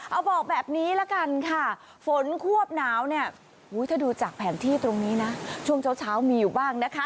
เอาบอกแบบนี้ละกันค่ะฝนควบหนาวเนี่ยถ้าดูจากแผนที่ตรงนี้นะช่วงเช้ามีอยู่บ้างนะคะ